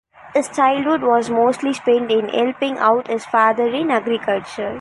His childhood was mostly spent in helping out his father in agriculture.